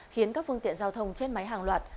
khiến các phương tiện giao thông chết máy hàng loạt